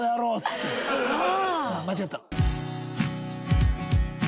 間違った。